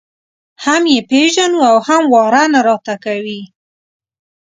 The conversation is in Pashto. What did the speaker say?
هم یې پېژنو او هم واره نه راته کوي.